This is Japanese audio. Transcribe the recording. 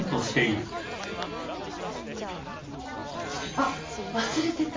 あっ忘れてた。